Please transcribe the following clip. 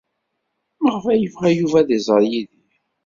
Maɣef ay yebɣa Yuba ad iẓer Yidir?